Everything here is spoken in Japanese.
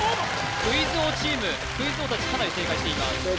クイズ王チームクイズ王たちかなり正解しています